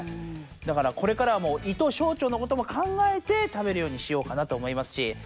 だからこれからはもう胃と小腸のこともかんがえて食べるようにしようかなとおもいますし。